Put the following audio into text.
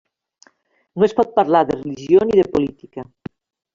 No es pot parlar de religió ni de política.